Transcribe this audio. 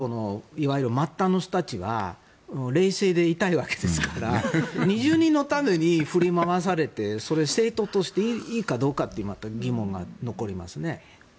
ほかの共和党のいわゆる末端の人たちは冷静でいたいわけですから２０人のために振り回されてそれ、政党としていいかどうかという疑問が残りますね。